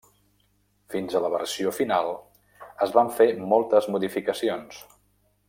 Fins a la versió final es van fer moltes modificacions.